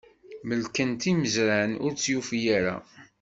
Mellken-t imezran, ur tt-yufi ara.